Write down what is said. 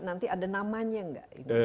nanti ada namanya nggak